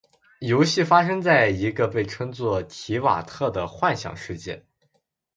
游戏发生在一个被称作「提瓦特」的幻想世界。